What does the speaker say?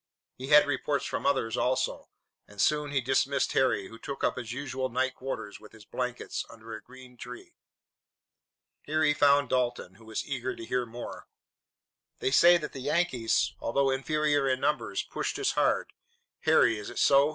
He had reports from others also, and soon he dismissed Harry, who took up his usual night quarters with his blankets under a green tree. Here he found Dalton, who was eager to hear more. "They say that the Yankees, although inferior in numbers, pushed us hard, Harry; is it so?"